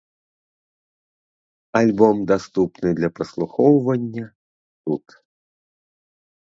Альбом даступны для праслухоўвання тут.